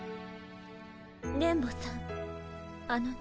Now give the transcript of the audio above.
電ボさんあのね。